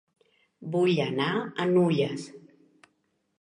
Vull anar a Nulles